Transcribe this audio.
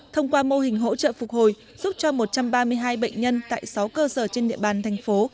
thông qua mô hình hỗ trợ phục hồi giúp cho một trăm ba mươi hai bệnh nhân tại sáu cơ sở trên địa bàn thành phố